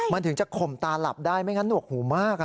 มันถึงจะข่มตาหลับได้ไม่งั้นหนวกหูมาก